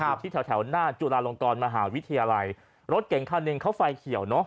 อยู่ที่แถวแถวหน้าจุฬาลงกรมหาวิทยาลัยรถเก่งคันหนึ่งเขาไฟเขียวเนอะ